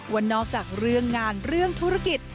ว่านอกจากเรื่องงานเรื่องธุรกิจ